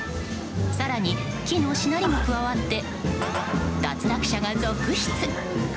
更に、木のしなりが加わって脱落者が続出！